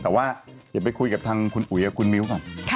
แต่ว่าเดี๋ยวไปคุยกับทางคุณอุ๋ยกับคุณมิ้วก่อน